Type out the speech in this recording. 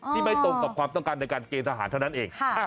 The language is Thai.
ไม่ตรงกับความต้องการในการเกณฑ์ทหารเท่านั้นเอง